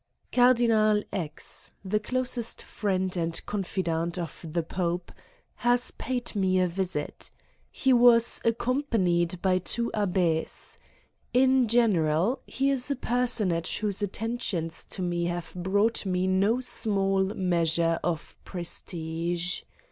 Cardinal X., the closest friend and confidante of the Pope, has paid me a visit. He was accom panied by two abbes. In general, he is a person age whose attentions to me have brought me no small measure of prestige.